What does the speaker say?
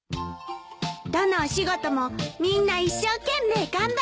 「どのお仕事もみんな一生懸命頑張ってることです」